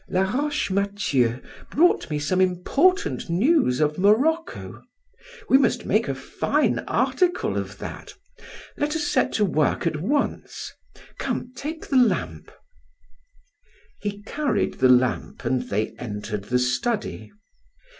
Laroche Mathieu brought me important news of Morocco. We must make a fine article of that. Let us set to work at once. Come, take the lamp." He carried the lamp and they entered the study.